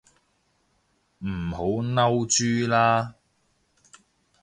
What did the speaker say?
唔好嬲豬啦